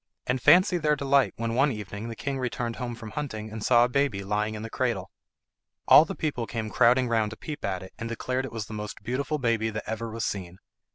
And fancy their delight when one evening the king returned home from hunting and saw a baby lying in the cradle. All the people came crowding round to peep at it, and declared it was the most beautiful baby that ever was seen.